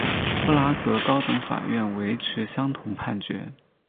布拉格高等法院维持相同判决。